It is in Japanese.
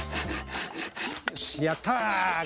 よしやった！